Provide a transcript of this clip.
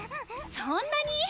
そんなに！？